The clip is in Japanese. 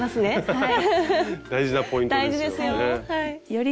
はい！